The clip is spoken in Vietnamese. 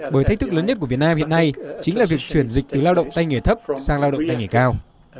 bởi thách thức lớn nhất của việt nam hiện nay chính là việc chuyển dịch từ lao động tay nghề thấp sang lao động tay nghề cao